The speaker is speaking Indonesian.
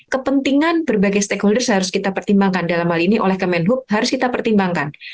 kepentingan berbagai stakeholders harus kita pertimbangkan dalam hal ini oleh kementerian perhubungan adhita irawati harus kita pertimbangkan